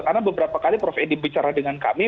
karena beberapa kali prof edi bicara dengan kami